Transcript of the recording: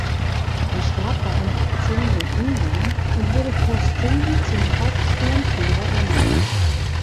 Er starb bei einer Aktion in Ungarn und wurde postum zum Hauptsturmführer ernannt.